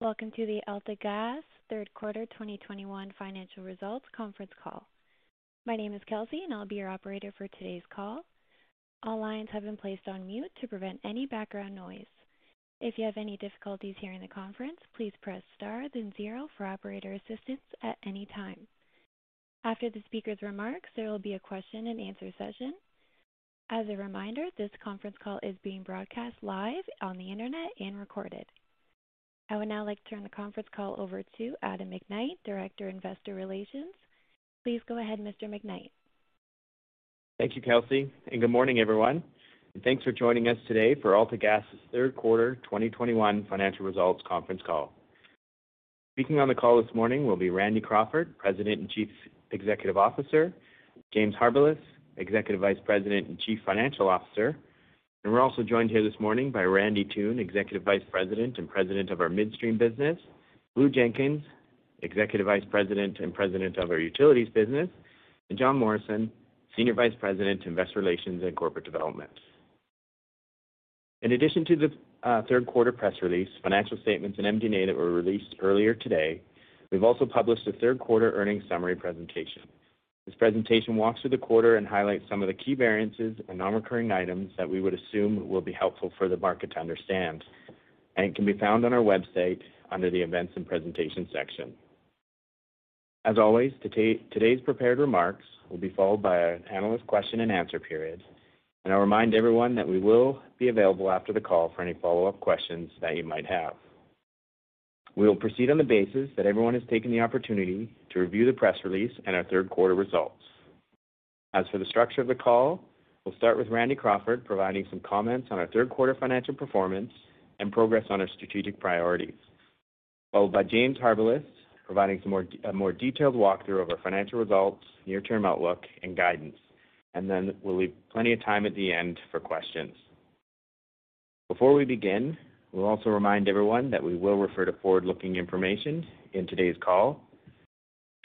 Welcome to the AltaGas Third Quarter 2021 Financial Results Conference Call. My name is Kelsey and I'll be your operator for today's call. All lines have been placed on mute to prevent any background noise. If you have any difficulties hearing the conference, please press star then zero for operator assistance at any time. After the speaker's remarks, there will be a question-and-answer session. As a reminder, this conference call is being broadcast live on the Internet and recorded. I would now like to turn the conference call over to Adam McKnight, Director, Investor Relations. Please go ahead, Mr. McKnight. Thank you, Kelsey, and good morning, everyone. Thanks for joining us today for AltaGas's Third Quarter 2021 Financial Results Conference Call. Speaking on the call this morning will be Randy Crawford, President and Chief Executive Officer, James Harbilas, Executive Vice President and Chief Financial Officer. We're also joined here this morning by Randy Toone, Executive Vice President and President of our Midstream business, Blue Jenkins, Executive Vice President and President of our Utilities business, and Jon Morrison, Senior Vice President, Investor Relations and Corporate Development. In addition to the third quarter press release, financial statements, and MD&A that were released earlier today, we've also published a third quarter earnings summary presentation. This presentation walks through the quarter and highlights some of the key variances and non-recurring items that we would assume will be helpful for the market to understand, and it can be found on our website under the Events and Presentation section. As always, today's prepared remarks will be followed by an analyst question-and-answer period. I'll remind everyone that we will be available after the call for any follow-up questions that you might have. We will proceed on the basis that everyone has taken the opportunity to review the press release and our third quarter results. As for the structure of the call, we'll start with Randy Crawford providing some comments on our third quarter financial performance and progress on our strategic priorities, followed by James Harbilas providing a more detailed walkthrough of our financial results, near-term outlook, and guidance. Then we'll leave plenty of time at the end for questions. Before we begin, we'll also remind everyone that we will refer to forward-looking information in today's call.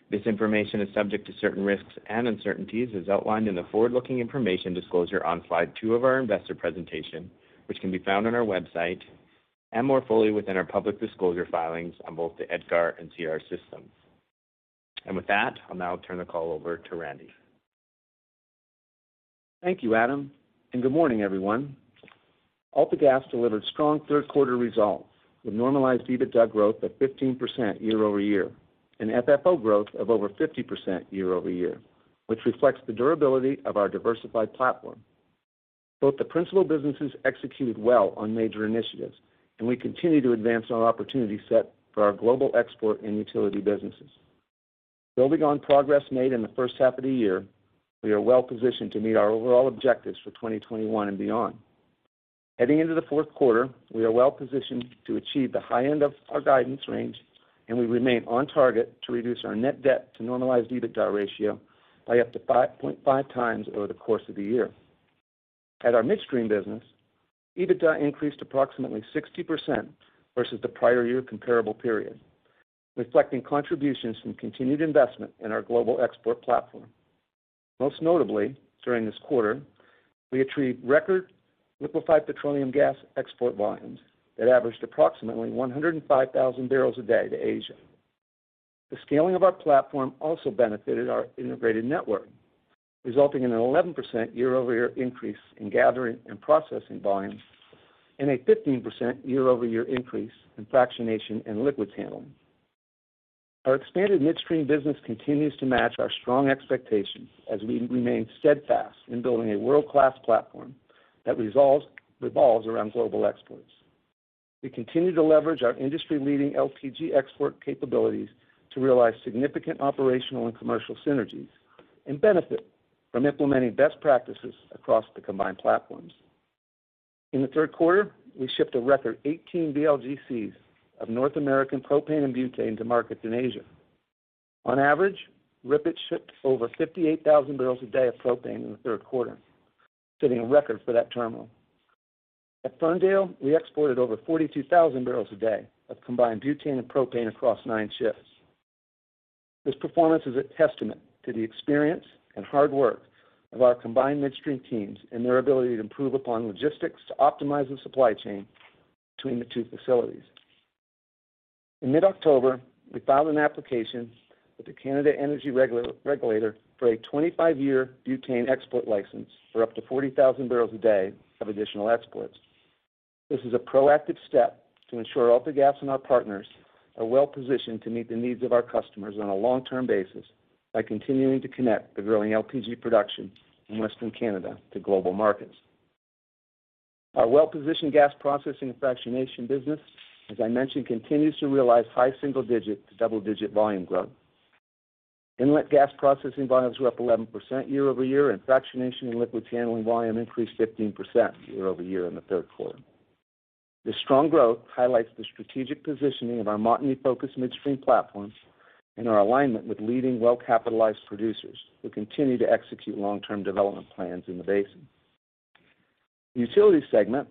This information is subject to certain risks and uncertainties as outlined in the forward-looking information disclosure on slide two of our investor presentation, which can be found on our website and more fully within our public disclosure filings on both the EDGAR and SEDAR systems. With that, I'll now turn the call over to Randy. Thank you, Adam, and good morning, everyone. AltaGas delivered strong third quarter results with normalized EBITDA growth of 15% year over year and FFO growth of over 50% year over year, which reflects the durability of our diversified platform. Both the principal businesses executed well on major initiatives, and we continue to advance our opportunity set for our global export and utility businesses. Building on progress made in the first half of the year, we are well-positioned to meet our overall objectives for 2021 and beyond. Heading into the fourth quarter, we are well-positioned to achieve the high end of our guidance range, and we remain on target to reduce our net debt to normalized EBITDA ratio by up to 5.5 times over the course of the year. At our Midstream business, EBITDA increased approximately 60% versus the prior year comparable period, reflecting contributions from continued investment in our global export platform. Most notably, during this quarter, we achieved record liquefied petroleum gas export volumes that averaged approximately 105,000 barrels a day to Asia. The scaling of our platform also benefited our integrated network, resulting in an 11% year-over-year increase in gathering and processing volumes and a 15% year-over-year increase in fractionation and liquids handling. Our expanded Midstream business continues to match our strong expectations as we remain steadfast in building a world-class platform that revolves around global exports. We continue to leverage our industry-leading LPG export capabilities to realize significant operational and commercial synergies and benefit from implementing best practices across the combined platforms. In the third quarter, we shipped a record 18 VLGCs of North American propane and butane to markets in Asia. On average, RIPET shipped over 58,000 barrels a day of propane in the third quarter, setting a record for that terminal. At Ferndale, we exported over 42,000 barrels a day of combined butane and propane across nine ships. This performance is a testament to the experience and hard work of our combined Midstream teams and their ability to improve upon logistics to optimize the supply chain between the two facilities. In mid-October, we filed an application with the Canada Energy Regulator for a 25-year butane export license for up to 40,000 barrels a day of additional exports. This is a proactive step to ensure AltaGas and our partners are well-positioned to meet the needs of our customers on a long-term basis by continuing to connect the growing LPG production in Western Canada to global markets. Our well-positioned gas processing and fractionation business, as I mentioned, continues to realize high single-digit to double-digit volume growth. Inlet gas processing volumes were up 11% year-over-year, and fractionation and liquids handling volume increased 15% year-over-year in the third quarter. This strong growth highlights the strategic positioning of our Montney-focused Midstream platforms and our alignment with leading well-capitalized producers who continue to execute long-term development plans in the basin. The Utility segment,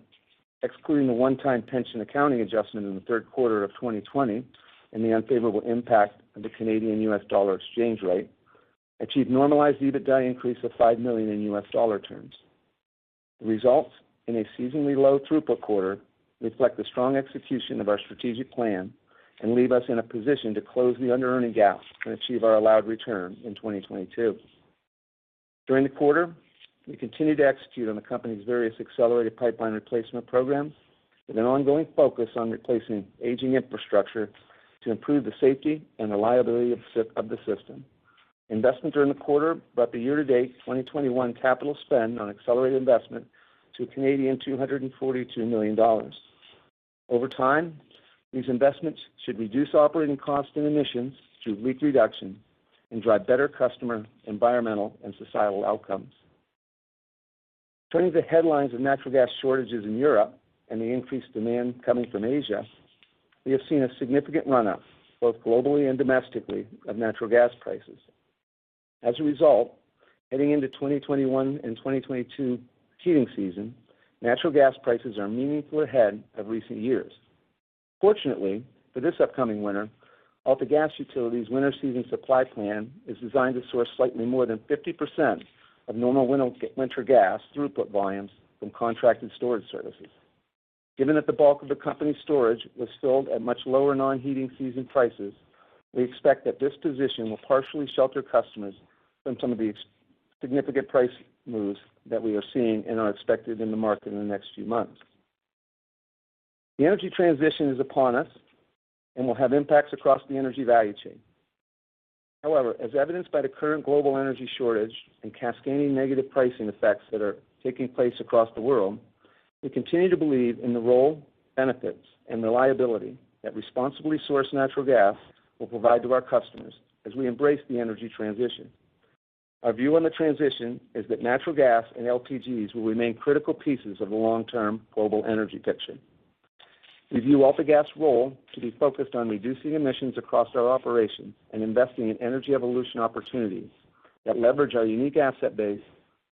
excluding the one-time pension accounting adjustment in the third quarter of 2020 and the unfavorable impact of the Canadian/US dollar exchange rate, achieved normalized EBITDA increase of $5 million in US dollar terms. Results in a seasonally low throughput quarter reflect the strong execution of our strategic plan and leave us in a position to close the under-earning gap and achieve our allowed return in 2022. During the quarter, we continued to execute on the company's various accelerated pipeline replacement programs with an ongoing focus on replacing aging infrastructure to improve the safety and reliability of the system. Investments during the quarter brought the year-to-date 2021 capital spend on accelerated investments to 242 million Canadian dollars. Over time, these investments should reduce operating costs and emissions through leak reduction and drive better customer, environmental, and societal outcomes. Turning to the headlines of natural gas shortages in Europe and the increased demand coming from Asia, we have seen a significant run-up, both globally and domestically, of natural gas prices. As a result, heading into 2021 and 2022 heating season, natural gas prices are meaningfully ahead of recent years. Fortunately, for this upcoming winter, AltaGas Utilities winter season supply plan is designed to source slightly more than 50% of normal winter gas throughput volumes from contracted storage services. Given that the bulk of the company's storage was filled at much lower non-heating season prices, we expect that this position will partially shelter customers from some of the significant price moves that we are seeing and are expected in the market in the next few months. The energy transition is upon us and will have impacts across the energy value chain. However, as evidenced by the current global energy shortage and cascading negative pricing effects that are taking place across the world, we continue to believe in the role, benefits, and reliability that responsibly sourced natural gas will provide to our customers as we embrace the energy transition. Our view on the transition is that natural gas and LPGs will remain critical pieces of the long-term global energy picture. We view AltaGas' role to be focused on reducing emissions across our operations and investing in energy evolution opportunities that leverage our unique asset base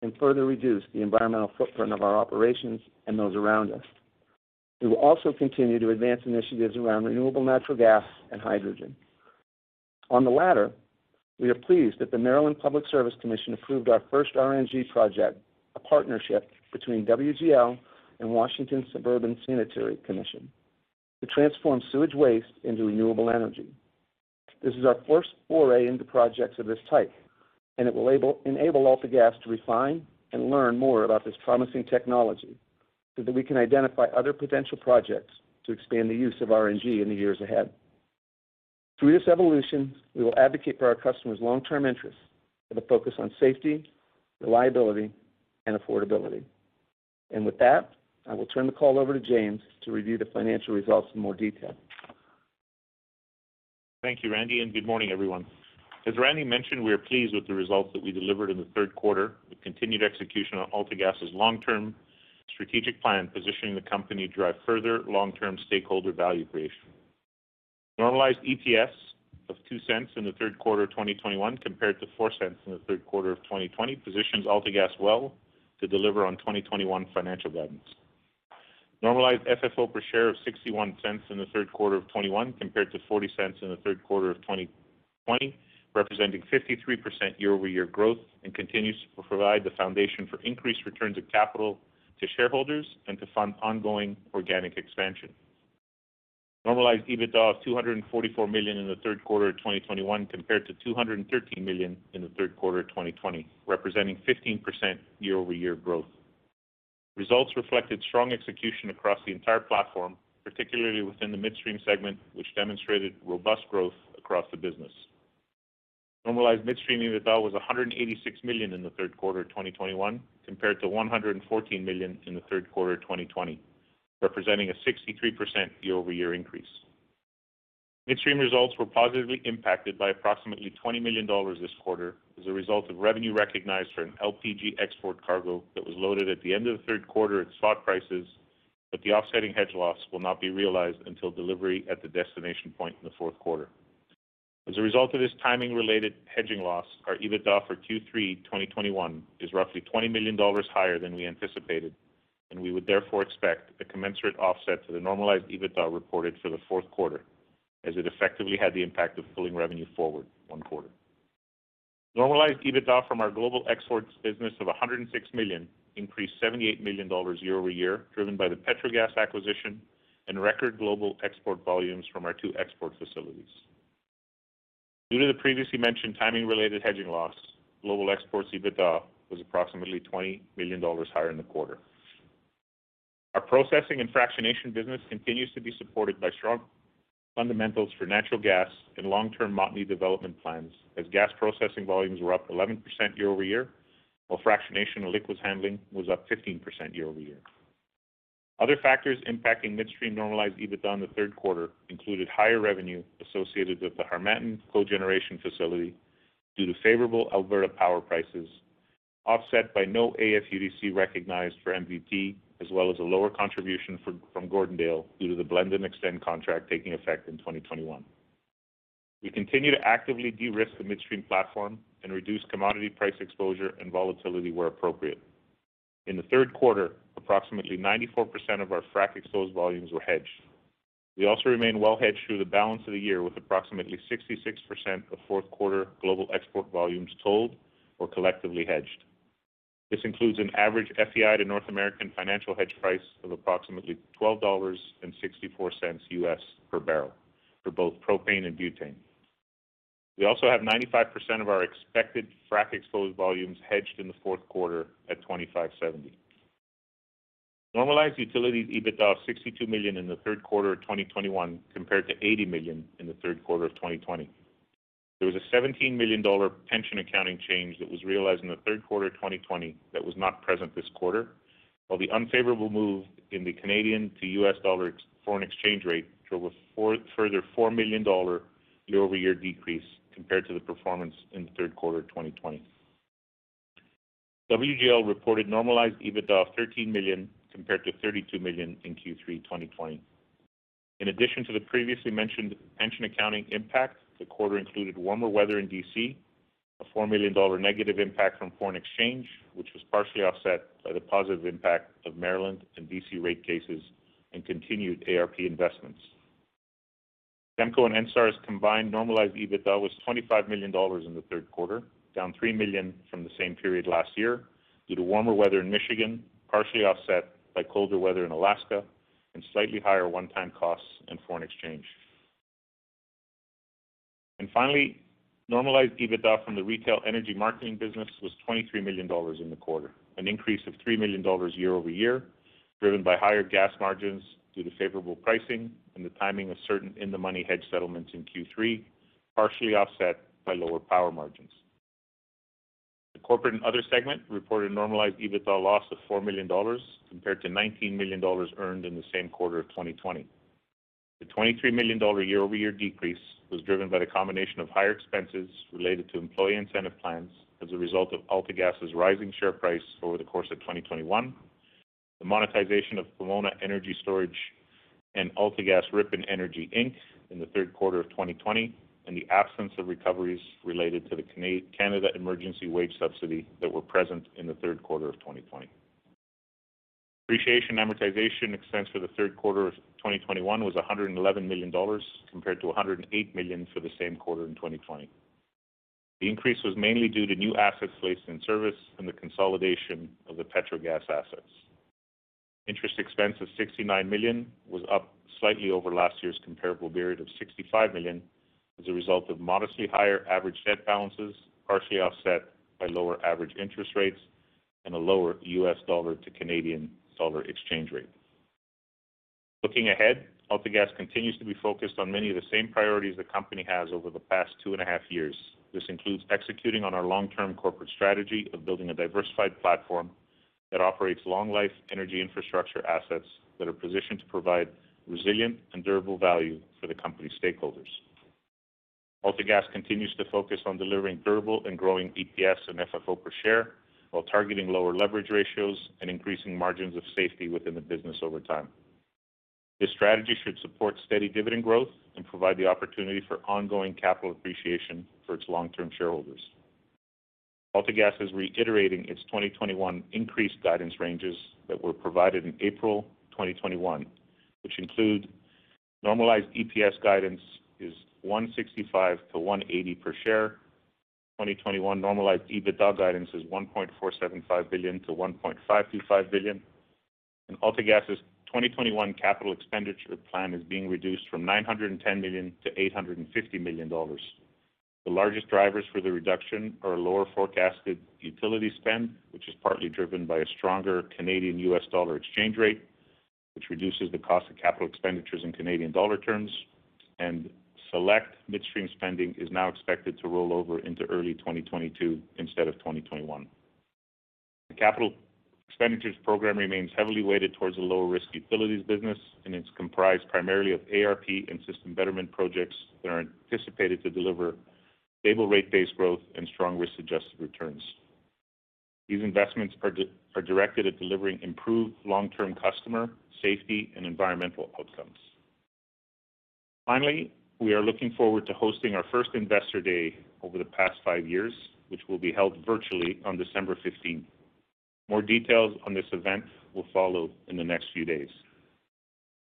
and further reduce the environmental footprint of our operations and those around us. We will also continue to advance initiatives around renewable natural gas and hydrogen. On the latter, we are pleased that the Maryland Public Service Commission approved our first RNG project, a partnership between WGL and Washington Suburban Sanitary Commission to transform sewage waste into renewable energy. This is our first foray into projects of this type, and it will enable AltaGas to refine and learn more about this promising technology so that we can identify other potential projects to expand the use of RNG in the years ahead. Through this evolution, we will advocate for our customers' long-term interests with a focus on safety, reliability, and affordability. With that, I will turn the call over to James to review the financial results in more detail. Thank you, Randy, and good morning, everyone. As Randy mentioned, we are pleased with the results that we delivered in the third quarter with continued execution on AltaGas' long-term strategic plan, positioning the company to drive further long-term stakeholder value creation. Normalized EPS of 0.02 in the third quarter of 2021 compared to 0.04 in the third quarter of 2020 positions AltaGas well to deliver on 2021 financial guidance. Normalized FFO per share of 0.61 in the third quarter of 2021 compared to 0.40 in the third quarter of 2020, representing 53% year-over-year growth, and continues to provide the foundation for increased returns of capital to shareholders and to fund ongoing organic expansion. Normalized EBITDA of 244 million in the third quarter of 2021 compared to 213 million in the third quarter of 2020, representing 15% year-over-year growth. Results reflected strong execution across the entire platform, particularly within the Midstream segment, which demonstrated robust growth across the business. Normalized Midstream EBITDA was 186 million in the third quarter of 2021 compared to 114 million in the third quarter of 2020, representing 63% year-over-year increase. Midstream results were positively impacted by approximately 20 million dollars this quarter as a result of revenue recognized for an LPG export cargo that was loaded at the end of the third quarter at spot prices, but the offsetting hedge loss will not be realized until delivery at the destination point in the fourth quarter. As a result of this timing-related hedging loss, our EBITDA for Q3 2021 is roughly 20 million dollars higher than we anticipated, and we would therefore expect a commensurate offset to the normalized EBITDA reported for the fourth quarter as it effectively had the impact of pulling revenue forward one quarter. Normalized EBITDA from our global exports business of 106 million increased 78 million dollars year-over-year, driven by the Petrogas acquisition and record global export volumes from our two export facilities. Due to the previously mentioned timing-related hedging loss, global exports EBITDA was approximately 20 million dollars higher in the quarter. Our processing and fractionation business continues to be supported by strong fundamentals for natural gas and long-term Montney development plans as gas processing volumes were up 11% year-over-year, while fractionation and liquids handling was up 15% year-over-year. Other factors impacting midstream normalized EBITDA in the third quarter included higher revenue associated with the Harmattan cogeneration facility due to favorable Alberta power prices, offset by no AFUDC recognized for MVP, as well as a lower contribution from Gordondale due to the Blend and Extend contract taking effect in 2021. We continue to actively de-risk the midstream platform and reduce commodity price exposure and volatility where appropriate. In the third quarter, approximately 94% of our frac-exposed volumes were hedged. We also remain well hedged through the balance of the year with approximately 66% of fourth quarter global export volumes tolled or collectively hedged. This includes an average FEI to North American financial hedge price of approximately $12.64 US per barrel for both propane and butane. We also have 95% of our expected frac-exposed volumes hedged in the fourth quarter at $25.70. Normalized utilities EBITDA of 62 million in the third quarter of 2021 compared to 80 million in the third quarter of 2020. There was a 17 million dollar pension accounting change that was realized in the third quarter of 2020 that was not present this quarter. While the unfavorable move in the Canadian to US dollar FX rate drove a further 4 million dollar year-over-year decrease compared to the performance in the third quarter of 2020. WGL reported normalized EBITDA of 13 million compared to 32 million in Q3 2020. In addition to the previously mentioned pension accounting impact, the quarter included warmer weather in DC, a 4 million dollar negative impact from foreign exchange, which was partially offset by the positive impact of Maryland and DC rate cases and continued ARP investments. SEMCO and ENSTAR's combined normalized EBITDA was 25 million dollars in the third quarter, down 3 million from the same period last year due to warmer weather in Michigan, partially offset by colder weather in Alaska and slightly higher one-time costs and foreign exchange. Finally, normalized EBITDA from the retail energy marketing business was 23 million dollars in the quarter, an increase of 3 million dollars year-over-year, driven by higher gas margins due to favorable pricing and the timing of certain in-the-money hedge settlements in Q3, partially offset by lower power margins. The corporate and other segment reported normalized EBITDA loss of 4 million dollars, compared to 19 million dollars earned in the same quarter of 2020. The 23 million dollar year-over-year decrease was driven by the combination of higher expenses related to employee incentive plans as a result of AltaGas's rising share price over the course of 2021, the monetization of Pomona Energy Storage and AltaGas Ripon Energy Inc. in the third quarter of 2020, and the absence of recoveries related to the Canada Emergency Wage Subsidy that were present in the third quarter of 2020. Depreciation and amortization expense for the third quarter of 2021 was 111 million dollars, compared to 108 million for the same quarter in 2020. The increase was mainly due to new assets placed in service and the consolidation of the Petrogas assets. Interest expense of 69 million was up slightly over last year's comparable period of 65 million as a result of modestly higher average debt balances, partially offset by lower average interest rates and a lower US dollar to Canadian dollar exchange rate. Looking ahead, AltaGas continues to be focused on many of the same priorities the company has over the past two and a half years. This includes executing on our long-term corporate strategy of building a diversified platform that operates long life energy infrastructure assets that are positioned to provide resilient and durable value for the company stakeholders. AltaGas continues to focus on delivering durable and growing EPS and FFO per share while targeting lower leverage ratios and increasing margins of safety within the business over time. This strategy should support steady dividend growth and provide the opportunity for ongoing capital appreciation for its long-term shareholders. AltaGas is reiterating its 2021 increased guidance ranges that were provided in April 2021, which include normalized EPS guidance is 1.65-1.80 per share. 2021 normalized EBITDA guidance is 1.475 billion-1.525 billion. AltaGas's 2021 capital expenditure plan is being reduced from 910 million to 850 million dollars. The largest drivers for the reduction are a lower forecasted utility spend, which is partly driven by a stronger Canadian US dollar exchange rate, which reduces the cost of capital expenditures in Canadian dollar terms. Select midstream spending is now expected to roll over into early 2022 instead of 2021. The capital expenditures program remains heavily weighted towards the lower-risk utilities business, and it's comprised primarily of ARP and system betterment projects that are anticipated to deliver stable rate-based growth and strong risk-adjusted returns. These investments are directed at delivering improved long-term customer safety and environmental outcomes. Finally, we are looking forward to hosting our first Investor Day over the past five years, which will be held virtually on December 15th. More details on this event will follow in the next few days.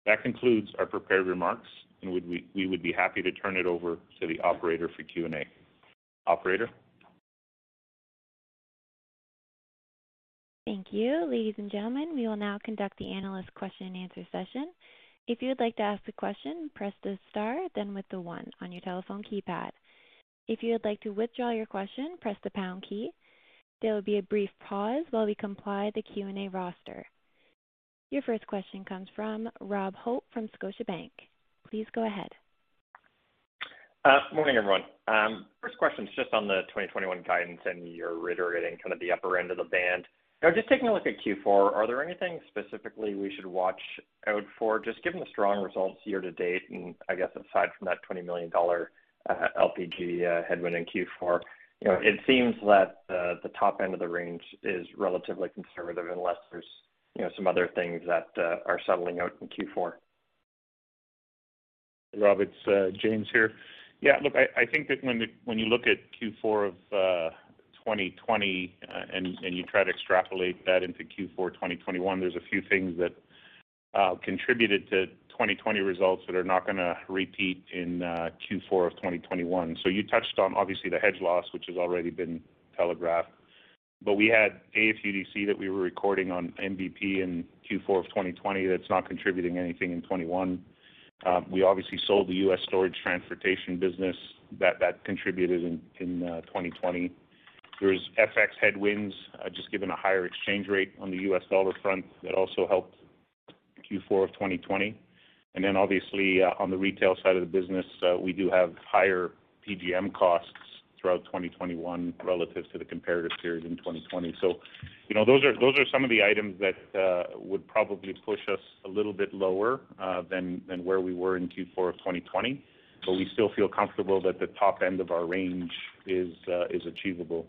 That concludes our prepared remarks, and we would be happy to turn it over to the operator for Q&A. Operator? Thank you. Ladies and gentlemen, we will now conduct the analyst question-and-answer session. If you would like to ask a question, press the star, then the one on your telephone keypad. If you would like to withdraw your question, press the pound key. There will be a brief pause while we compile the Q&A roster. Your first question comes from Rob Hope from Scotiabank. Please go ahead. Good morning, everyone. First question is just on the 2021 guidance, and you're reiterating kind of the upper end of the band. You know, just taking a look at Q4, are there anything specifically we should watch out for? Just given the strong results year to date and I guess aside from that 20 million dollar LPG headwind in Q4, you know, it seems that the top end of the range is relatively conservative unless there's, you know, some other things that are settling out in Q4. Rob, it's James here. Yeah, look, I think that when you look at Q4 of 2020 and you try to extrapolate that into Q4 2021, there's a few things that contributed to 2020 results that are not gonna repeat in Q4 of 2021. You touched on, obviously, the hedge loss, which has already been telegraphed. We had AFUDC that we were recording on MVP in Q4 of 2020 that's not contributing anything in 2021. We obviously sold the US storage transportation business that contributed in 2020. There's FX headwinds just given a higher exchange rate on the US dollar front that also helped Q4 of 2020. Then obviously on the retail side of the business we do have higher PGM costs throughout 2021 relative to the comparative period in 2020. You know, those are some of the items that would probably push us a little bit lower than where we were in Q4 of 2020. We still feel comfortable that the top end of our range is achievable.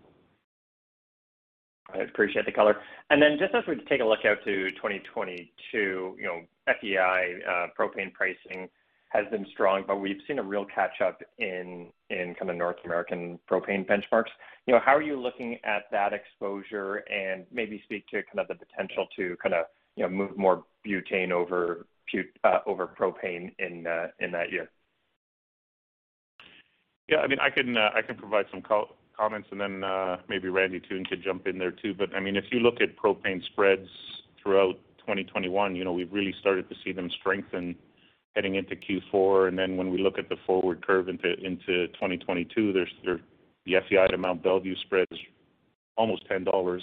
I appreciate the color. Just as we take a look out to 2022, you know, FEI propane pricing has been strong, but we've seen a real catch up in kind of North American propane benchmarks. You know, how are you looking at that exposure? Maybe speak to kind of the potential to kinda, you know, move more butane over propane in that year. Yeah. I mean, I can provide some comments and then maybe Randy Toone could jump in there too. I mean, if you look at propane spreads throughout 2021, you know, we've really started to see them strengthen heading into Q4. When we look at the forward curve into 2022, there's the FEI to Mont Belvieu spread is almost $10.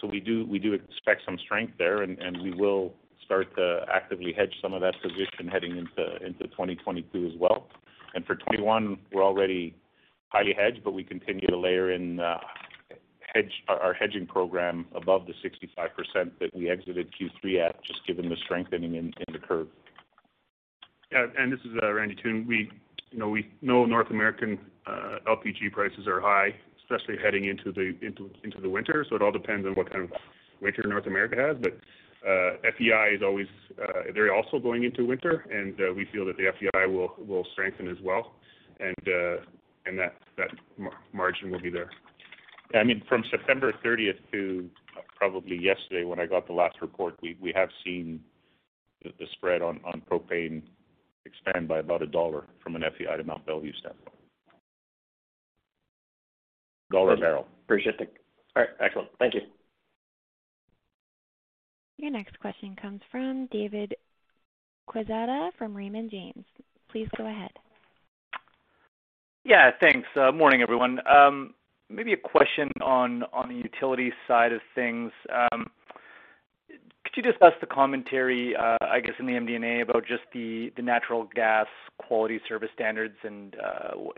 So we do expect some strength there, and we will start to actively hedge some of that position heading into 2022 as well. For 2021, we're already highly hedged, but we continue to layer in our hedging program above the 65% that we exited Q3 at, just given the strengthening in the curve. Yeah. This is Randy Toone. We, you know, we know North American LPG prices are high, especially heading into the winter. It all depends on what kind of winter North America has. FEI is always. They're also going into winter and we feel that the FEI will strengthen as well and that margin will be there. I mean, from September thirtieth to probably yesterday when I got the last report, we have seen the spread on propane expand by about $1 from an FEI to Mont Belvieu standpoint. $1 a barrel. Appreciate that. All right. Excellent. Thank you. Your next question comes from David Quezada from Raymond James. Please go ahead. Yeah, thanks. Morning, everyone. Maybe a question on the utility side of things. Could you discuss the commentary, I guess, in the MD&A about just the natural gas quality service standards and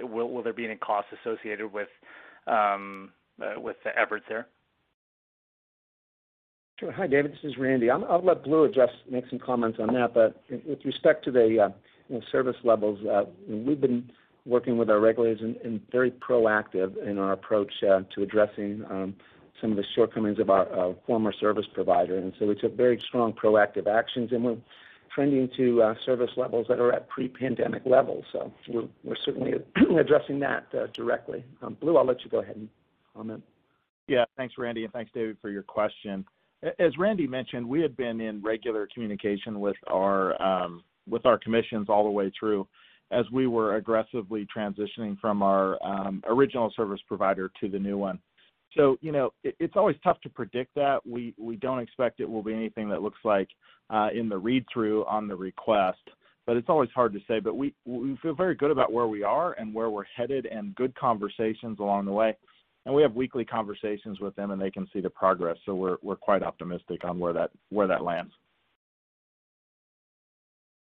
will there be any costs associated with the efforts there? Sure. Hi, David, this is Randy. I'll let Blue make some comments on that. With respect to the service levels, you know, we've been working with our regulators and very proactive in our approach to addressing some of the shortcomings of our former service provider. We took very strong proactive actions, and we're trending to service levels that are at pre-pandemic levels. We're certainly addressing that directly. Blue, I'll let you go ahead and comment. Yeah. Thanks, Randy, and thanks David for your question. As Randy mentioned, we have been in regular communication with our commissions all the way through as we were aggressively transitioning from our original service provider to the new one. You know, it's always tough to predict that. We don't expect it will be anything that looks like in the read-through on the request, but it's always hard to say. We feel very good about where we are and where we're headed and good conversations along the way. We have weekly conversations with them and they can see the progress. We're quite optimistic on where that lands.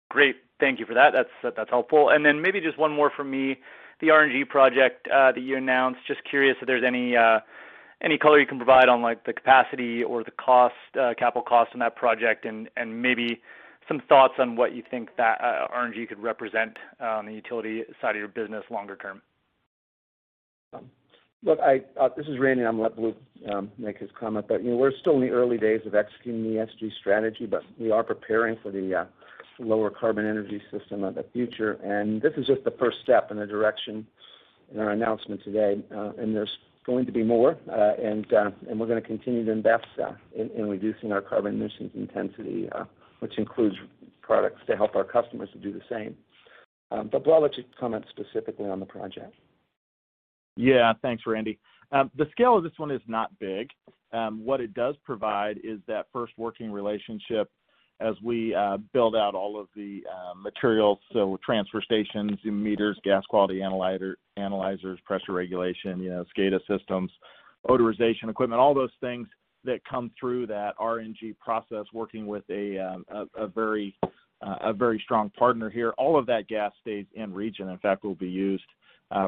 Great. Thank you for that. That's helpful. Maybe just one more from me, the RNG project that you announced. Just curious if there's any color you can provide on like the capacity or the cost, capital cost on that project and maybe some thoughts on what you think that RNG could represent on the utility side of your business longer term. Look, this is Randy. I'm gonna let Blue make his comment. You know, we're still in the early days of executing the ESG strategy, but we are preparing for the lower carbon energy system of the future. This is just the first step in that direction in our announcement today. There's going to be more, and we're gonna continue to invest in reducing our carbon emissions intensity, which includes products to help our customers to do the same. Blue, why don't you comment specifically on the project? Yeah. Thanks, Randy. The scale of this one is not big. What it does provide is that first working relationship as we build out all of the materials, so transfer stations, zone meters, gas quality analyzers, pressure regulation, you know, SCADA systems, odorization equipment, all those things that come through that RNG process working with a very strong partner here. All of that gas stays in region, in fact, will be used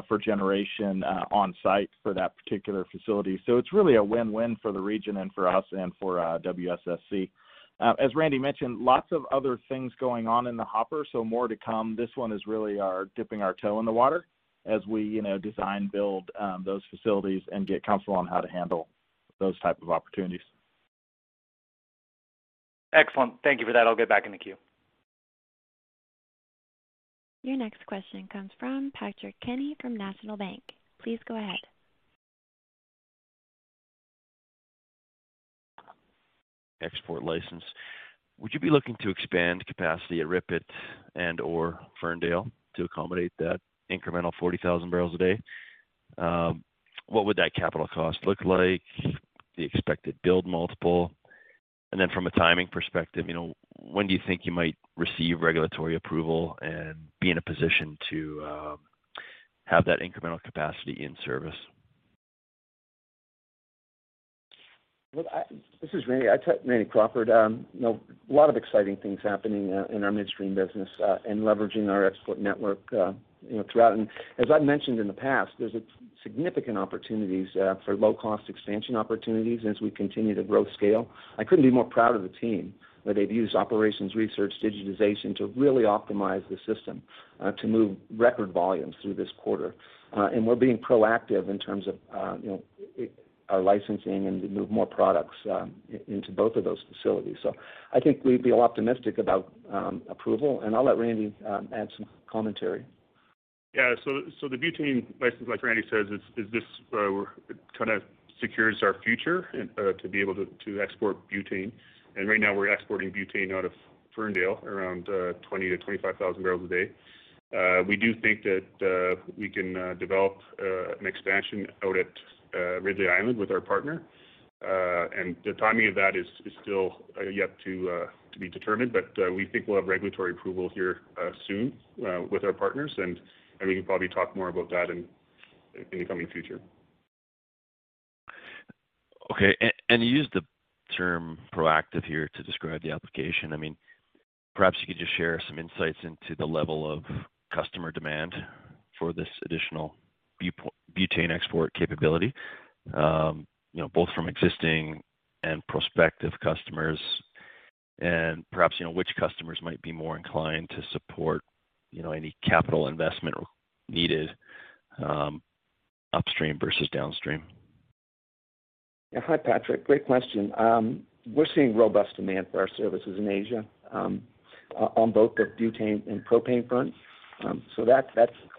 for generation on site for that particular facility. It's really a win-win for the region and for us and for WSSC. As Randy mentioned, lots of other things going on in the hopper, more to come. This one is really our dipping our toe in the water as we, you know, design, build those facilities and get counsel on how to handle those type of opportunities. Excellent. Thank you for that. I'll get back in the queue. Your next question comes from Patrick Kenny from National Bank. Please go ahead. Export license. Would you be looking to expand capacity at RIPET and or Ferndale to accommodate that incremental 40,000 barrels a day? What would that capital cost look like? The expected build multiple? From a timing perspective, you know, when do you think you might receive regulatory approval and be in a position to have that incremental capacity in service? Look, this is Randy Crawford. You know, a lot of exciting things happening in our midstream business, and leveraging our export network, you know, throughout. As I mentioned in the past, there's a significant opportunities for low-cost expansion opportunities as we continue to grow scale. I couldn't be more proud of the team, where they've used operations research digitization to really optimize the system to move record volumes through this quarter. We're being proactive in terms of, you know, our licensing and to move more products into both of those facilities. I think we'd be optimistic about approval, and I'll let Randy add some commentary. Yeah, the butane license, like Randy says, is this kind of secures our future to be able to export butane. Right now we're exporting butane out of Ferndale around 20-25 thousand barrels a day. We do think that we can develop an expansion out at Ridley Island with our partner. The timing of that is still yet to be determined, but we think we'll have regulatory approval here soon with our partners, and we can probably talk more about that in the coming future. Okay. You used the term proactive here to describe the application. I mean, perhaps you could just share some insights into the level of customer demand for this additional butane export capability, you know, both from existing and prospective customers. Perhaps, you know, which customers might be more inclined to support, you know, any capital investment needed, upstream versus downstream. Yeah. Hi, Patrick. Great question. We're seeing robust demand for our services in Asia, on both the butane and propane front. That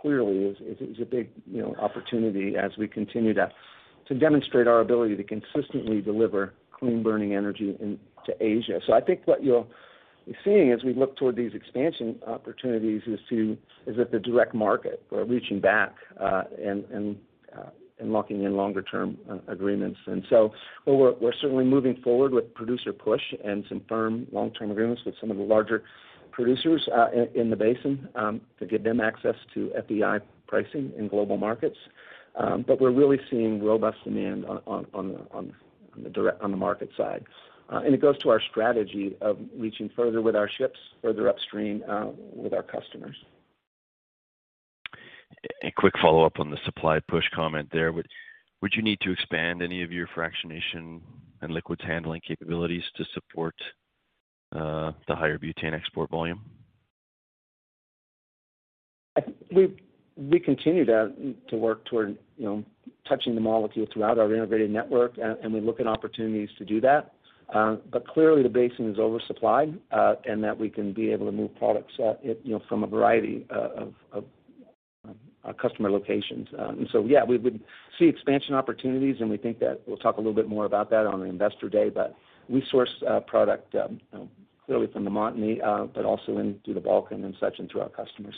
clearly is a big, you know, opportunity as we continue to demonstrate our ability to consistently deliver clean burning energy into Asia. I think what you're seeing as we look toward these expansion opportunities is at the direct market. We're reaching back and locking in longer-term agreements. We're certainly moving forward with producer push and some firm long-term agreements with some of the larger producers in the basin to give them access to FEI pricing in global markets. We're really seeing robust demand on the market side. It goes to our strategy of reaching further with our ships further upstream, with our customers. A quick follow-up on the supply push comment there. Would you need to expand any of your fractionation and liquids handling capabilities to support the higher butane export volume? We continue to work toward, you know, touching the molecule throughout our integrated network, and we look at opportunities to do that. But clearly the basin is oversupplied, and that we can be able to move products, you know, from a variety of customer locations. Yeah, we would see expansion opportunities, and we think that we'll talk a little bit more about that on our Investor Day. But we source product, you know, clearly from Montney, but also through the Balzac and such, and through our customers.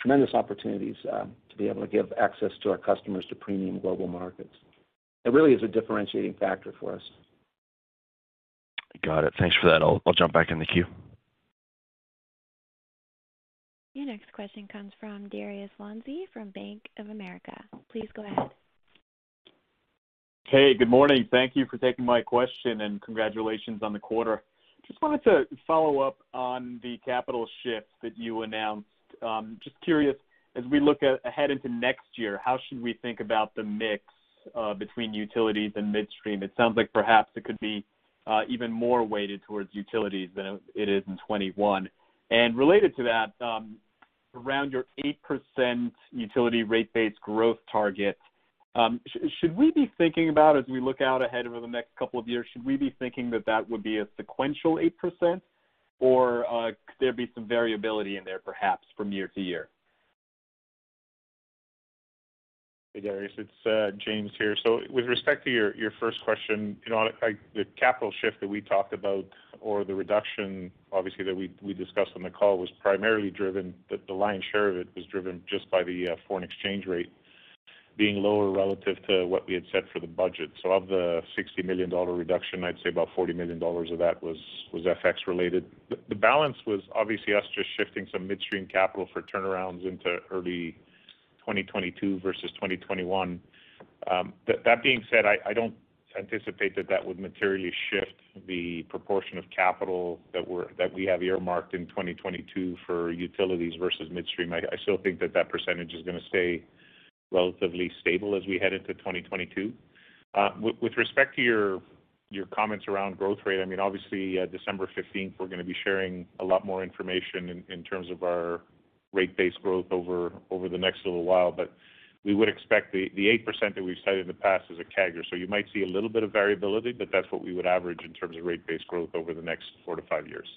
Tremendous opportunities to be able to give access to our customers to premium global markets. It really is a differentiating factor for us. Got it. Thanks for that. I'll jump back in the queue. Your next question comes from Dariusz Lozny from Bank of America. Please go ahead. Hey, good morning. Thank you for taking my question and congratulations on the quarter. Just wanted to follow up on the capital shift that you announced. Just curious, as we look ahead into next year, how should we think about the mix between utilities and midstream? It sounds like perhaps it could be even more weighted towards utilities than it is in 2021. Related to that, around your 8% utility rate base growth target, should we be thinking that, as we look out ahead over the next couple of years, that would be a sequential 8%, or could there be some variability in there, perhaps from year to year? Hey, Darius, it's James here. With respect to your first question, you know, the capital shift that we talked about or the reduction obviously that we discussed on the call was primarily driven, the lion's share of it was driven just by the foreign exchange rate being lower relative to what we had set for the budget. Of the 60 million dollar reduction, I'd say about 40 million dollars of that was FX related. The balance was obviously us just shifting some midstream capital for turnarounds into early 2022 versus 2021. That being said, I don't anticipate that would materially shift the proportion of capital that we have earmarked in 2022 for utilities versus midstream. I still think that percentage is gonna stay relatively stable as we head into 2022. With respect to your comments around growth rate, I mean, obviously, December 15th, we're gonna be sharing a lot more information in terms of our rate base growth over the next little while, but we would expect the 8% that we've said in the past is a CAGR. You might see a little bit of variability, but that's what we would average in terms of rate base growth over the next 4-5 years.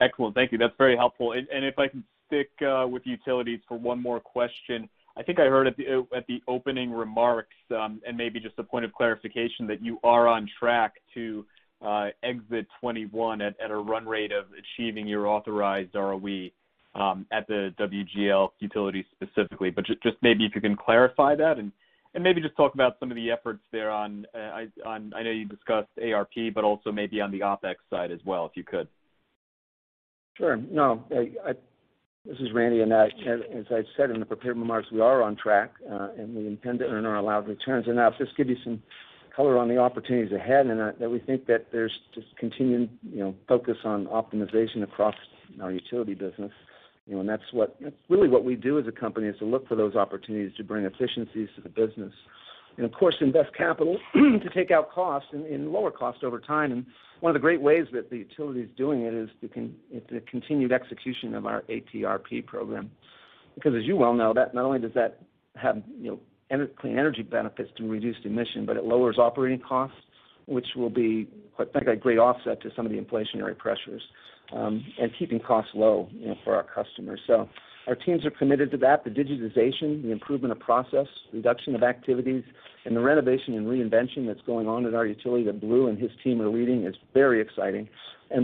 Excellent. Thank you. That's very helpful. If I can stick with utilities for one more question. I think I heard at the opening remarks and maybe just a point of clarification that you are on track to exit 2021 at a run rate of achieving your authorized ROE at the WGL utility specifically. Just maybe if you can clarify that and maybe just talk about some of the efforts there. I know you discussed ARP, but also maybe on the OpEx side as well, if you could. Sure. No, this is Randy, and as I said in the prepared remarks, we are on track, and we intend to earn our allowed returns. I'll just give you some color on the opportunities ahead, that we think that there's just continued, you know, focus on optimization across our utility business. You know, that's really what we do as a company, is to look for those opportunities to bring efficiencies to the business. Of course, invest capital to take out costs and lower costs over time. One of the great ways that the utility is doing it is the continued execution of our ARP program. Because as you well know, that not only does that have, you know, clean energy benefits through reduced emission, but it lowers operating costs, which will be, quite frankly, a great offset to some of the inflationary pressures, and keeping costs low, you know, for our customers. Our teams are committed to that, the digitization, the improvement of process, reduction of activities, and the renovation and reinvention that's going on at our utility that Blue and his team are leading is very exciting. As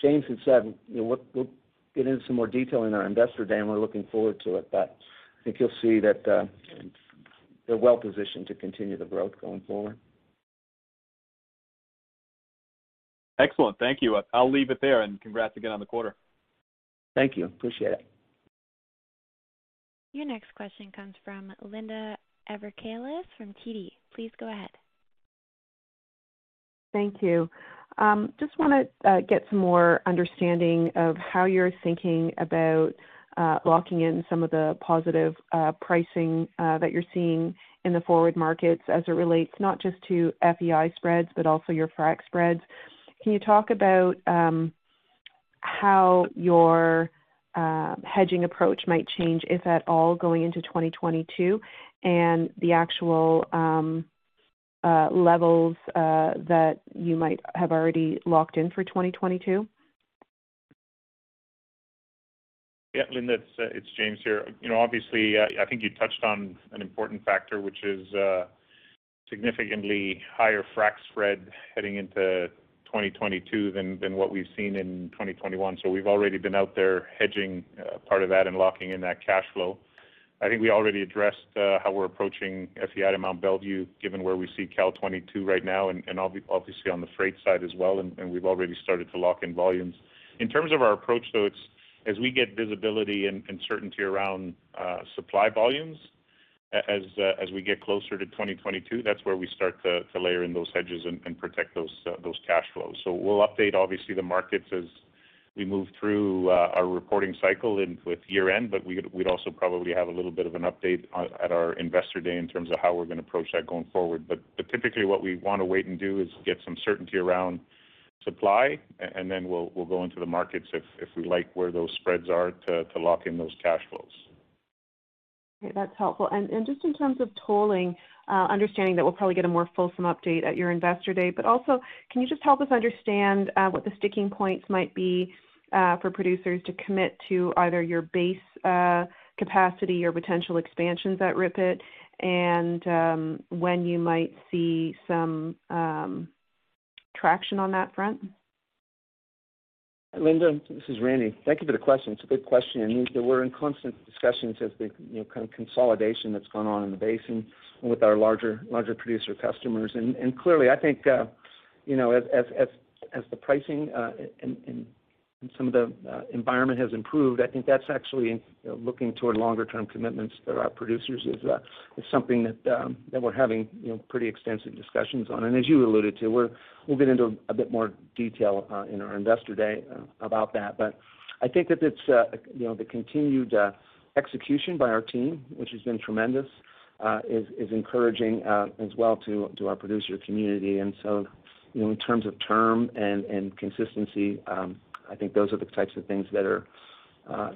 James had said, you know, we'll get into some more detail in our Investor Day, and we're looking forward to it. I think you'll see that they're well positioned to continue the growth going forward. Excellent. Thank you. I'll leave it there and congrats again on the quarter. Thank you. Appreciate it. Your next question comes from Linda Ezergailis from TD. Please go ahead. Thank you. Just wanna get some more understanding of how you're thinking about locking in some of the positive pricing that you're seeing in the forward markets as it relates not just to FEI spreads, but also your frac spreads. Can you talk about how your hedging approach might change, if at all, going into 2022 and the actual levels that you might have already locked in for 2022? Yeah, Linda, it's James here. You know, obviously, I think you touched on an important factor, which is significantly higher frac spread heading into 2022 than what we've seen in 2021. We've already been out there hedging part of that and locking in that cash flow. I think we already addressed how we're approaching FEI at Mont Belvieu, given where we see Cal 22 right now and obviously on the freight side as well, and we've already started to lock in volumes. In terms of our approach, though, it's as we get visibility and certainty around supply volumes as we get closer to 2022, that's where we start to layer in those hedges and protect those cash flows. We'll update obviously the markets as we move through our reporting cycle and with year-end, but we'd also probably have a little bit of an update on at our Investor Day in terms of how we're gonna approach that going forward. Typically what we wanna wait and do is get some certainty around supply, and then we'll go into the markets if we like where those spreads are to lock in those cash flows. Okay, that's helpful. Just in terms of tolling, understanding that we'll probably get a more fulsome update at your Investor Day, but also, can you just help us understand what the sticking points might be for producers to commit to either your base capacity or potential expansions at RIPET and when you might see some traction on that front? Linda, this is Randy. Thank you for the question. It's a good question. I mean, we're in constant discussions as the, you know, kind of consolidation that's gone on in the basin with our larger producer customers. Clearly, I think, you know, as the pricing and some of the environment has improved, I think that's actually, you know, looking toward longer term commitments that our producers is something that we're having, you know, pretty extensive discussions on. And as you alluded to, we'll get into a bit more detail in our Investor Day about that. I think that it's, you know, the continued execution by our team, which has been tremendous, is encouraging as well to our producer community. You know, in terms of term and consistency, I think those are the types of things that are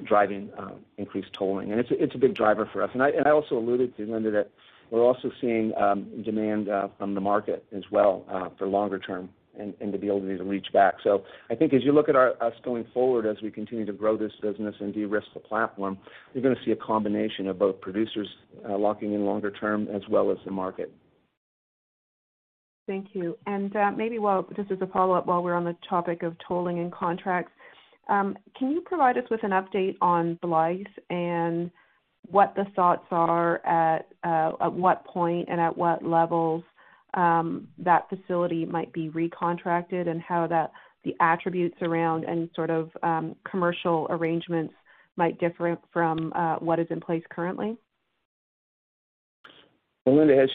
driving increased tolling. It's a big driver for us. I also alluded to, Linda, that we're also seeing demand from the market as well for longer term and the ability to reach back. I think as you look at us going forward as we continue to grow this business and de-risk the platform, you're gonna see a combination of both producers locking in longer term as well as the market. Thank you. Maybe just as a follow-up while we're on the topic of tolling and contracts, can you provide us with an update on Blythe and what the thoughts are at what point and at what levels that facility might be recontracted and how the attributes around any sort of commercial arrangements might differ from what is in place currently? Well, Linda, as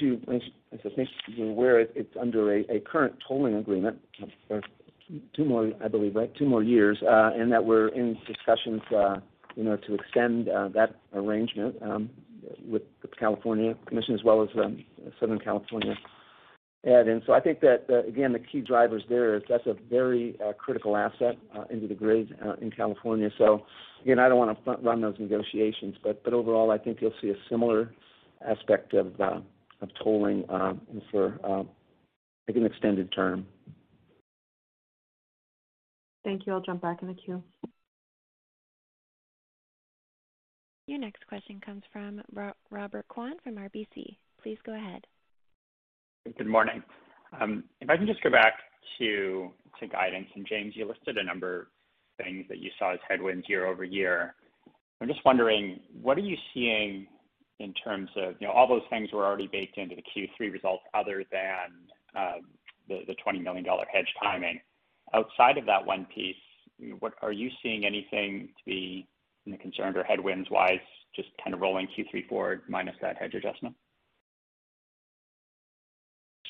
I think you're aware, it's under a current tolling agreement for 2 more, I believe, right, 2 more years, and that we're in discussions, you know, to extend that arrangement with the California Commission as well as Southern California. I think that, again, the key drivers there is that's a very, critical asset, into the grid, in California. Again, I don't wanna front run those negotiations, but overall, I think you'll see a similar aspect of tolling, for like an extended term. Thank you. I'll jump back in the queue. Your next question comes from Robert Kwan from RBC. Please go ahead. Good morning. If I can just go back to guidance. James, you listed a number of things that you saw as headwinds year-over-year. I'm just wondering, what are you seeing in terms of, you know, all those things were already baked into the Q3 results other than the 20 million dollar hedge timing. Outside of that one piece, what are you seeing anything to be concerned or headwinds-wise, just kind of rolling Q3 forward minus that hedge adjustment?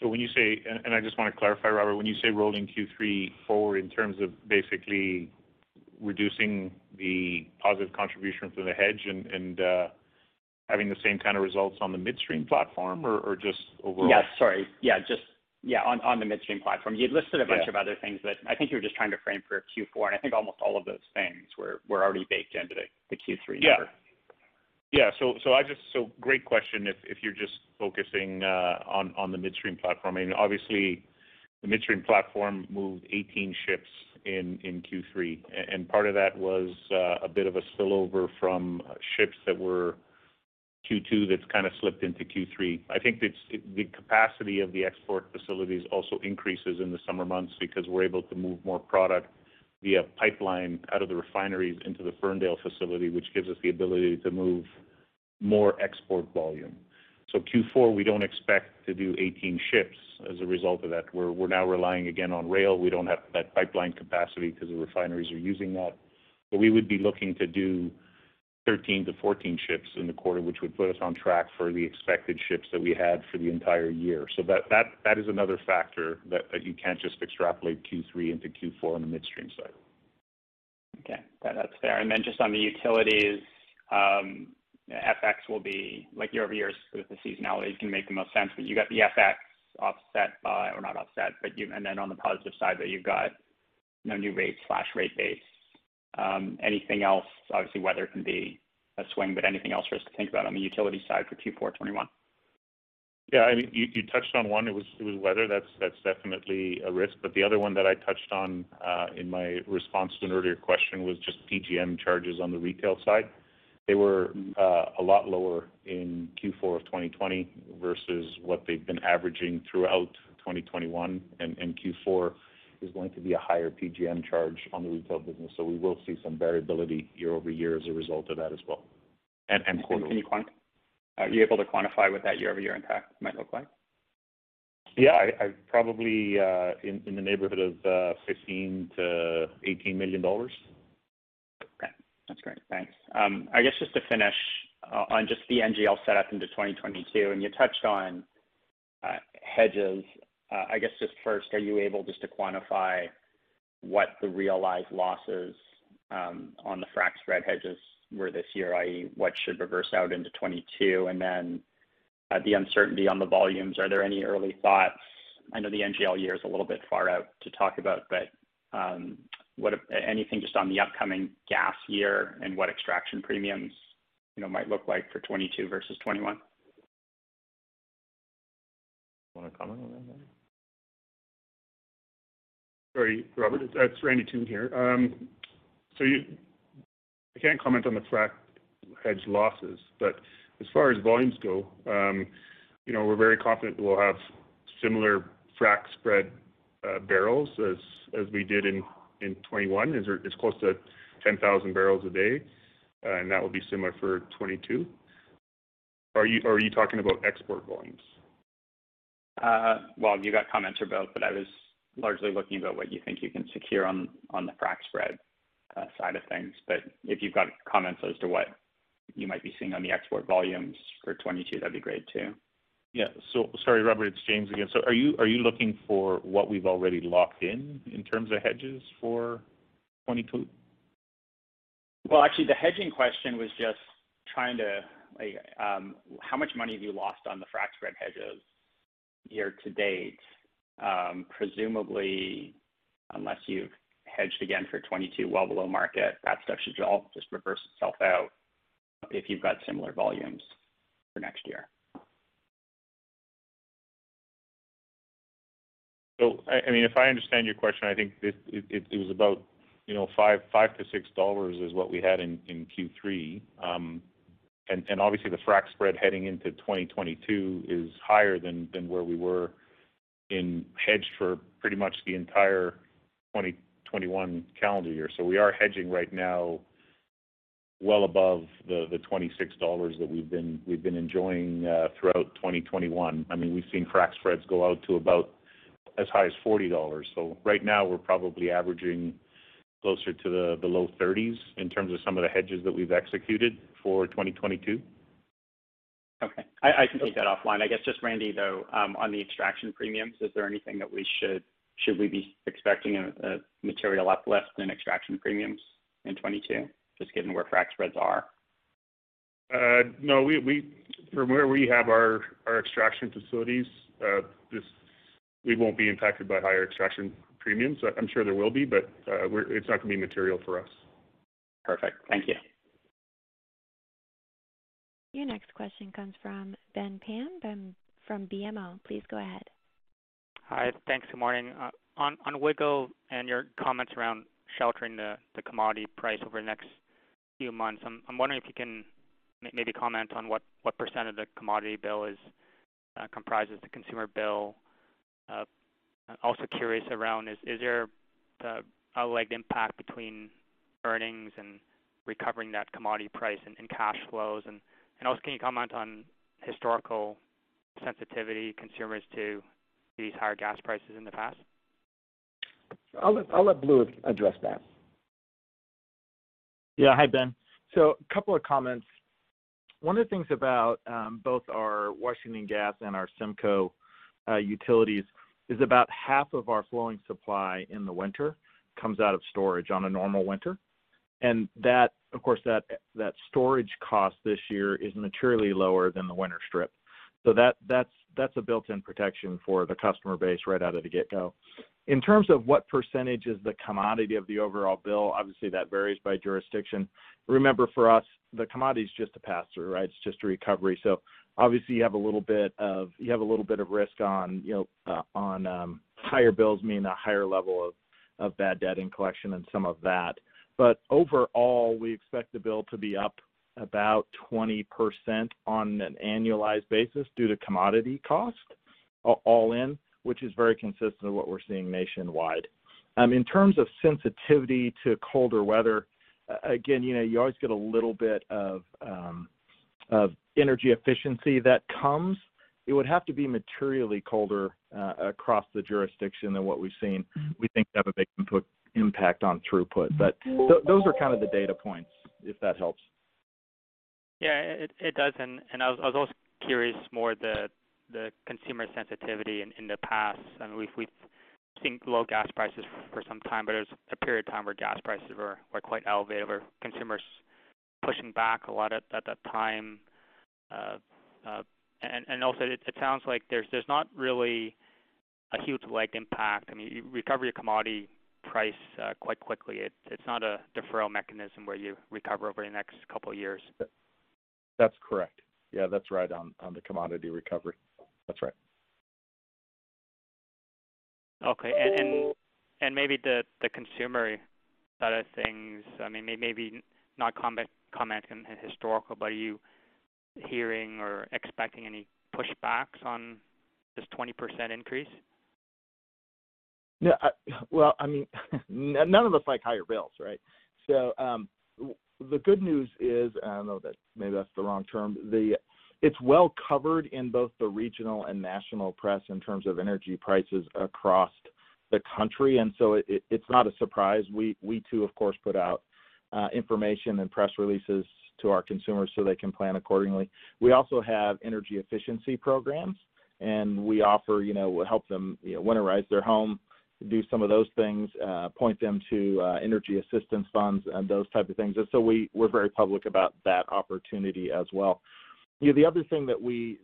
When you say and I just wanna clarify, Robert, when you say rolling Q3 forward in terms of basically reducing the positive contribution from the hedge and having the same kind of results on the Midstream platform or just overall? Yes. Sorry. Yeah, on the midstream platform. Yeah. You listed a bunch of other things that I think you were just trying to frame for Q4, and I think almost all of those things were already baked into the Q3 number. Great question if you're just focusing on the midstream platform. I mean, obviously the midstream platform moved 18 ships in Q3, and part of that was a bit of a spillover from ships that were Q2 that's kinda slipped into Q3. I think the capacity of the export facilities also increases in the summer months because we're able to move more product via pipeline out of the refineries into the Ferndale facility, which gives us the ability to move more export volume. Q4, we don't expect to do 18 ships as a result of that. We're now relying again on rail. We don't have that pipeline capacity 'cause the refineries are using that. We would be looking to do 13-14 ships in the quarter, which would put us on track for the expected ships that we had for the entire year. That is another factor that you can't just extrapolate Q3 into Q4 on the Midstream side. Okay. That's fair. Just on the utilities, FX will be. Like year over year with the seasonality, it can make the most sense. You got the FX offset by, or not offset, and then on the positive side that you've got, you know, new rates, rate base. Anything else? Obviously, weather can be a swing, but anything else for us to think about on the utility side for Q4 2021? Yeah. I mean, you touched on one. It was weather. That's definitely a risk. The other one that I touched on in my response to an earlier question was just PGM charges on the retail side. They were a lot lower in Q4 of 2020 versus what they've been averaging throughout 2021. Q4 is going to be a higher PGM charge on the retail business, so we will see some variability year over year as a result of that as well. Quarter over. Are you able to quantify what that year-over-year impact might look like? Yeah. I probably in the neighborhood of 15 million-18 million dollars. Okay. That's great. Thanks. I guess just to finish on just the NGL set up into 2022, and you touched on hedges. I guess just first, are you able just to quantify what the realized losses on the frac spread hedges were this year? I.e., what should reverse out into 2022? And then the uncertainty on the volumes, are there any early thoughts? I know the NGL year is a little bit far out to talk about, but anything just on the upcoming gas year and what extraction premiums, you know, might look like for 2022 versus 2021. Wanna comment on that, Randy? Sorry, Robert. It's Randy Toone here. So, I can't comment on the frac hedge losses, but as far as volumes go, you know, we're very confident we'll have similar frac spread barrels as we did in 2021. It's close to 10,000 barrels a day, and that will be similar for 2022. Or are you talking about export volumes? I was largely looking about what you think you can secure on the frac spread side of things. If you've got comments as to what you might be seeing on the export volumes for 2022, that'd be great too. Yeah. Sorry, Robert, it's James again. Are you looking for what we've already locked in in terms of hedges for 2022? Well, actually the hedging question was just trying to like, how much money have you lost on the frac spread hedges year to date? Presumably, unless you've hedged again for 2022 well below market, that stuff should all just reverse itself out if you've got similar volumes for next year. I mean, if I understand your question, I think it was about, you know, 5-6 dollars is what we had in Q3. Obviously the frac spread heading into 2022 is higher than where we were hedged for pretty much the entire 2021 calendar year. We are hedging right now well above the 26 dollars that we've been enjoying throughout 2021. I mean, we've seen frac spreads go out to about as high as 40 dollars. Right now we're probably averaging closer to the low 30s in terms of some of the hedges that we've executed for 2022. Okay. I can take that offline. I guess just Randy, though, on the extraction premiums, should we be expecting a material lot less extraction premiums in 2022, just given where frac spreads are? No, from where we have our extraction facilities, we won't be impacted by higher extraction premiums. I'm sure there will be, but it's not gonna be material for us. Perfect. Thank you. Your next question comes from Ben Pham from BMO. Please go ahead. Hi. Thanks. Good morning. On WGL and your comments around sheltering the commodity price over the next few months, I'm wondering if you can maybe comment on what % of the commodity bill comprises the consumer bill. Also curious around, is there the outright impact between earnings and recovering that commodity price in cash flows? And also, can you comment on historical sensitivity of consumers to these higher gas prices in the past? I'll let Blue address that. Yeah. Hi, Ben. A couple of comments. One of the things about both our Washington Gas and our SEMCO utilities is about half of our flowing supply in the winter comes out of storage on a normal winter. That, of course, storage cost this year is materially lower than the winter strip. That’s a built-in protection for the customer base right out of the get-go. In terms of what percentage is the commodity of the overall bill, obviously that varies by jurisdiction. Remember, for us, the commodity is just a pass-through, right? It’s just a recovery. Obviously you have a little bit of risk on, you know, higher bills, meaning a higher level of bad debt in collection and some of that. Overall, we expect the bill to be up about 20% on an annualized basis due to commodity cost all in, which is very consistent with what we're seeing nationwide. In terms of sensitivity to colder weather, again, you know, you always get a little bit of energy efficiency that comes. It would have to be materially colder across the jurisdiction than what we've seen. We think that would put impact on throughput. Those are kind of the data points, if that helps. Yeah, it does. I was also curious about the consumer sensitivity in the past. I mean, we've seen low gas prices for some time, but there's a period of time where gas prices were quite elevated, where consumers pushing back a lot at that time. Also, it sounds like there's not really a huge lag impact. I mean, you recover your commodity price quite quickly. It's not a deferral mechanism where you recover over the next couple of years. That's correct. Yeah, that's right on the commodity recovery. That's right. Maybe the consumer side of things, I mean, maybe not comment on historical, but are you hearing or expecting any pushbacks on this 20% increase? Yeah. Well, I mean, none of us like higher bills, right? The good news is, I don't know, that maybe that's the wrong term. It's well covered in both the regional and national press in terms of energy prices across the country, and so it's not a surprise. We too, of course, put out information and press releases to our consumers so they can plan accordingly. We also have energy efficiency programs, and we offer, you know, help them, you know, winterize their home, do some of those things, point them to energy assistance funds and those type of things. We're very public about that opportunity as well. You know, the other thing that we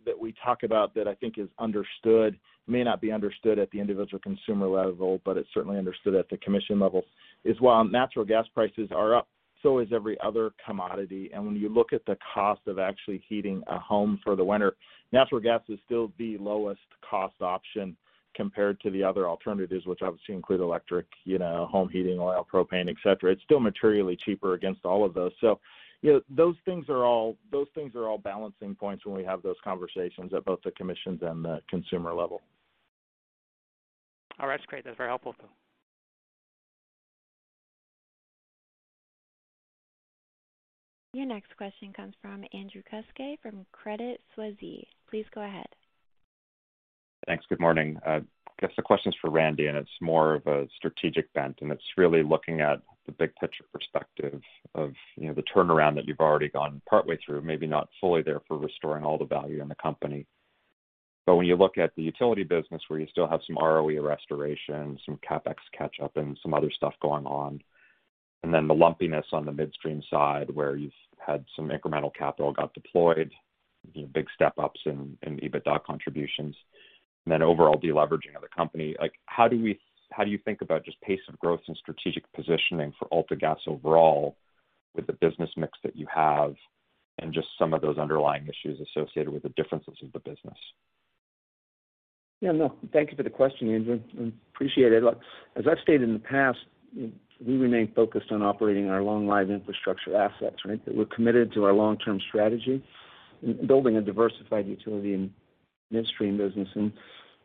talk about that I think is understood, may not be understood at the individual consumer level, but it's certainly understood at the commission level, is while natural gas prices are up, so is every other commodity. When you look at the cost of actually heating a home for the winter, natural gas is still the lowest cost option compared to the other alternatives, which obviously include electric, you know, home heating oil, propane, etc. It's still materially cheaper against all of those. You know, those things are all balancing points when we have those conversations at both the commissions and the consumer level. All right. That's great. That's very helpful. Your next question comes from Andrew Kuske, from Credit Suisse. Please go ahead. Thanks. Good morning. Guess the question is for Randy, and it's more of a strategic bent, and it's really looking at the big picture perspective of, you know, the turnaround that you've already gone partway through, maybe not fully there for restoring all the value in the company. When you look at the utility business where you still have some ROE restoration, some CapEx catch-up and some other stuff going on, and then the lumpiness on the midstream side where you've had some incremental capital got deployed, you know, big step-ups in EBITDA contributions and then overall deleveraging of the company. Like, how do you think about just pace of growth and strategic positioning for AltaGas overall with the business mix that you have and just some of those underlying issues associated with the differences of the business? Yeah, no. Thank you for the question, Andrew. Appreciate it. As I've stated in the past, we remain focused on operating our long-lived infrastructure assets, right, that we're committed to our long-term strategy, building a diversified utility and midstream business.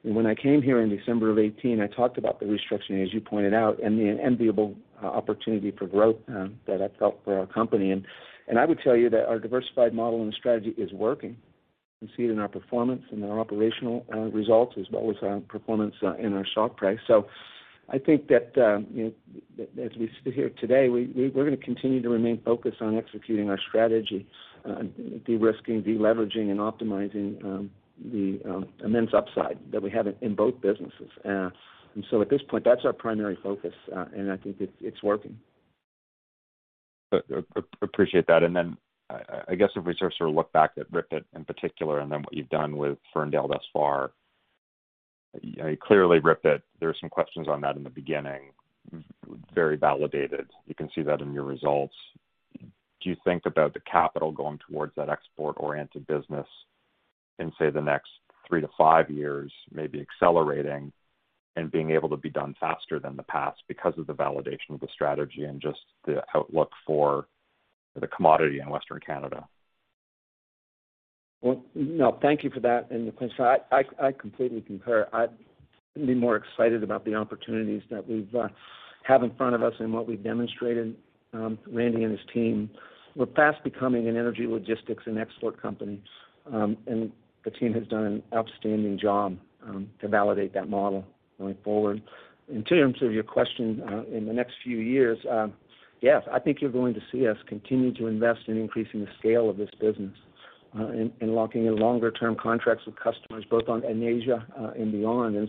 When I came here in December 2018, I talked about the restructuring, as you pointed out, and the enviable opportunity for growth that I felt for our company. I would tell you that our diversified model and strategy is working. You can see it in our performance and our operational results as well as our performance in our stock price. I think that, you know, as we sit here today, we're gonna continue to remain focused on executing our strategy, de-risking, deleveraging and optimizing the immense upside that we have in both businesses. At this point, that's our primary focus, and I think it's working. Appreciate that. I guess if we just sort of look back at RIPET in particular, and then what you've done with Ferndale thus far. You know, clearly RIPET, there are some questions on that in the beginning. Very validated. You can see that in your results. Do you think about the capital going towards that export-oriented business in, say, the next 3-5 years, maybe accelerating and being able to be done faster than the past because of the validation of the strategy and just the outlook for the commodity in Western Canada? Well, no, thank you for that. I completely concur. I couldn't be more excited about the opportunities that we have in front of us and what we've demonstrated, Randy and his team. We're fast becoming an energy logistics and export company. The team has done an outstanding job to validate that model going forward. In terms of your question, in the next few years, yes, I think you're going to see us continue to invest in increasing the scale of this business, and locking in longer term contracts with customers both in Asia and beyond.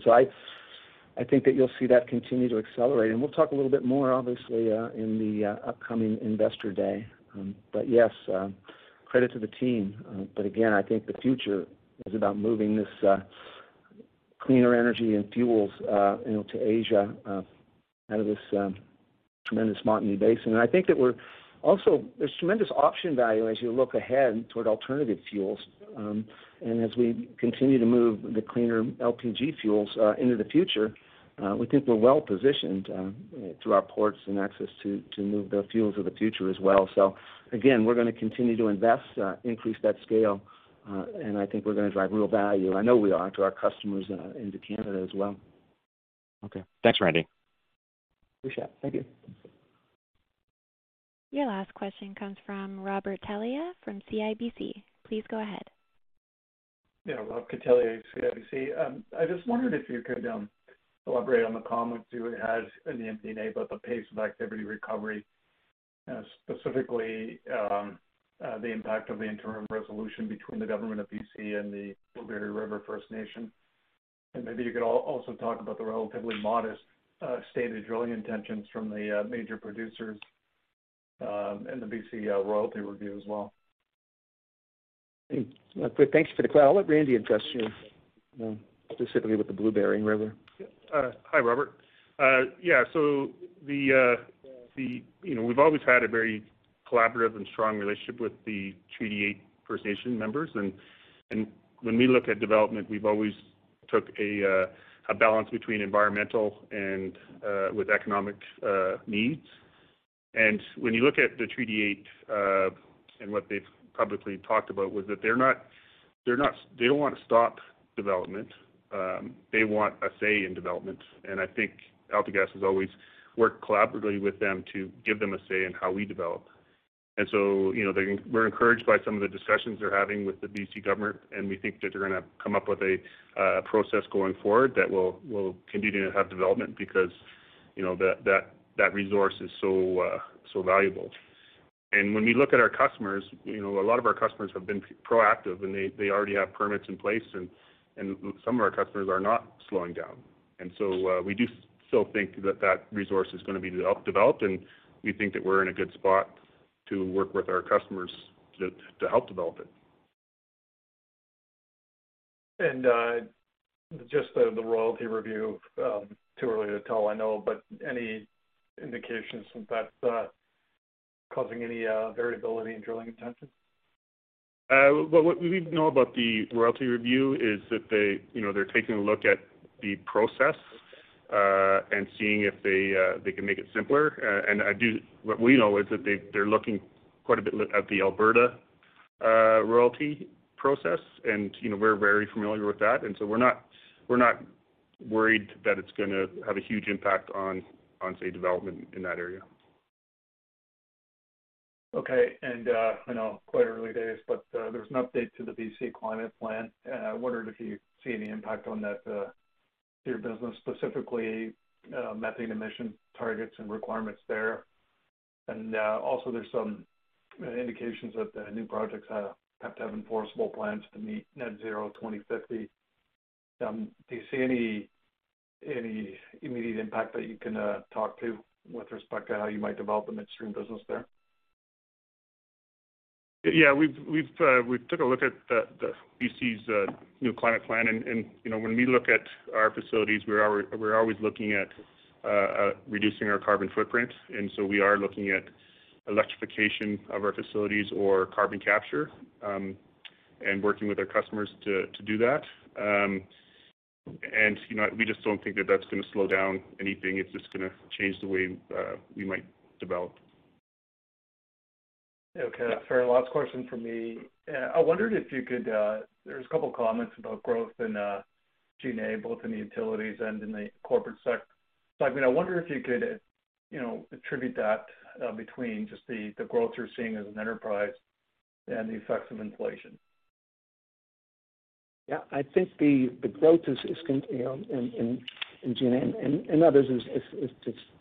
I think that you'll see that continue to accelerate. We'll talk a little bit more, obviously, in the upcoming Investor Day. Yes, credit to the team. I think the future is about moving this cleaner energy and fuels, you know, to Asia out of this tremendous Montney Basin. Also, there's tremendous option value as you look ahead toward alternative fuels. As we continue to move the cleaner LPG fuels into the future, we think we're well-positioned through our ports and access to move the fuels of the future as well. Again, we're gonna continue to invest, increase that scale, and I think we're gonna drive real value, I know we are, to our customers and to Canada as well. Okay. Thanks, Randy. Appreciate it. Thank you. Your last question comes from Robert Catellier from CIBC. Please go ahead. Yeah. Robert Catellier, CIBC. I just wondered if you could elaborate on the comments you had in the MD&A about the pace of activity recovery, specifically the impact of the interim resolution between the government of BC and the Blueberry River First Nations. Maybe you could also talk about the relatively modest stated drilling intentions from the major producers and the BC royalty review as well. I'll let Randy address, you know, specifically with the Blueberry River. Yeah. Hi, Robert. Yeah, so you know, we've always had a very collaborative and strong relationship with the Treaty 8 First Nations members. When we look at development, we've always took a balance between environmental and with economic needs. When you look at the Treaty 8 and what they've publicly talked about was that they're not they don't wanna stop development. They want a say in development. I think AltaGas has always worked collaboratively with them to give them a say in how we develop. You know, we're encouraged by some of the discussions they're having with the BC government, and we think that they're gonna come up with a process going forward that will continue to have development because, you know, that resource is so valuable. When we look at our customers, you know, a lot of our customers have been proactive, and they already have permits in place, and some of our customers are not slowing down. We do still think that that resource is gonna be developed, and we think that we're in a good spot to work with our customers to help develop it. Just the royalty review, too early to tell, I know, but any indications that's causing any variability in drilling intentions? What we know about the royalty review is that they, you know, they're taking a look at the process, and seeing if they can make it simpler. What we know is that they're looking quite a bit at the Alberta royalty process and, you know, we're very familiar with that. We're not worried that it's gonna have a huge impact on, say, development in that area. Okay. I know it's quite early days, but there's an update to the BC climate plan. I wondered if you see any impact on that to your business, specifically methane emission targets and requirements there. Also there's some indications that the new projects have to have enforceable plans to meet net zero 2050. Do you see any immediate impact that you can talk to with respect to how you might develop the midstream business there? Yeah, we've took a look at the BC's new climate plan. You know, when we look at our facilities, we're always looking at reducing our carbon footprint. We are looking at electrification of our facilities or carbon capture and working with our customers to do that. You know, we just don't think that that's gonna slow down anything. It's just gonna change the way we might develop. Okay. Fair enough. Last question from me. I wondered if you could... There's a couple comments about growth in G&A, both in the utilities and in the corporate segment. I wonder if you could, you know, attribute that between just the growth you're seeing as an enterprise and the effects of inflation. Yeah. I think the growth is, you know, in G&A and others is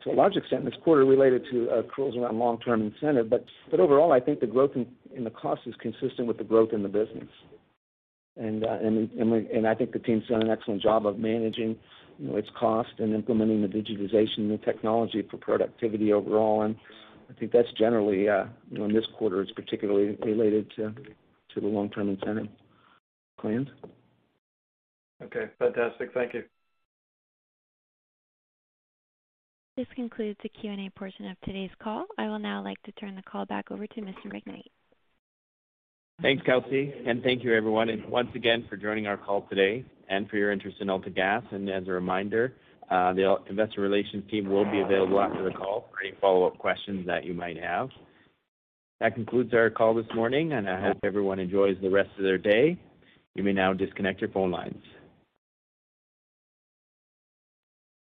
to a large extent this quarter related to accruals around long-term incentive. Overall, I think the growth in the cost is consistent with the growth in the business. I think the team's done an excellent job of managing, you know, its cost and implementing the digitization, new technology for productivity overall. I think that's generally, you know, in this quarter it's particularly related to the long-term incentive plans. Okay, fantastic. Thank you. This concludes the Q&A portion of today's call. I will now like to turn the call back over to Mr. McKnight. Thanks, Kelsey. Thank you everyone, and once again for joining our call today and for your interest in AltaGas. As a reminder, the investor relations team will be available after the call for any follow-up questions that you might have. That concludes our call this morning, and I hope everyone enjoys the rest of their day. You may now disconnect your phone lines.